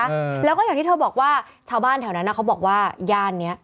อืมแล้วก็อย่างที่เธอบอกว่าชาวบ้านแถวนั้นอ่ะเขาบอกว่าย่านเนี้ย